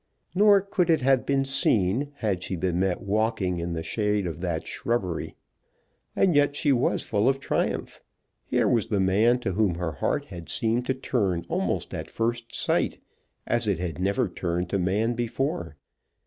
Nor could it have been seen had she been met walking in the shade of that shrubbery. And yet she was full of triumph. Here was the man to whom her heart had seemed to turn almost at first sight, as it had never turned to man before.